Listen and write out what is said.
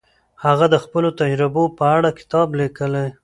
هغه د خپلو تجربو په اړه کتاب لیکلی.